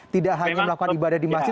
tidak hanya melakukan ibadah di masjid